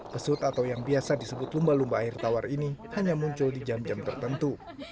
pesut atau yang biasa disebut lumba lumba air tawar ini hanya muncul di jam jam tertentu